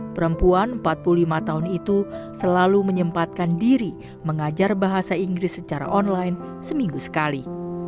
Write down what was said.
perempuan empat puluh lima tahun itu selalu menyempatkan diri mengajar bahasa inggris secara online seminggu sekali